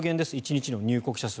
１日の入国者数。